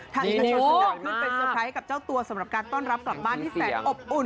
ดีโหเป็นสเตอร์ไพรส์กับเจ้าตัวสำหรับการต้อนรับกลับบ้านที่แสงอบอุ่น